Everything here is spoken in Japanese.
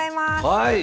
はい！